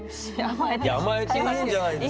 甘えていいんじゃないですか。